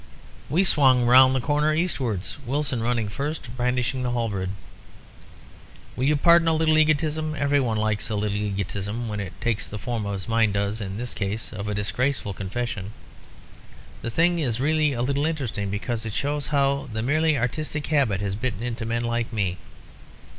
"We swung round the corner eastwards, Wilson running first, brandishing the halberd "Will you pardon a little egotism? Every one likes a little egotism, when it takes the form, as mine does in this case, of a disgraceful confession. The thing is really a little interesting, because it shows how the merely artistic habit has bitten into men like me.